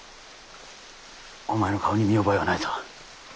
お前の顔に見覚えはないぞ。